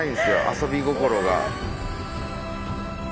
遊び心が。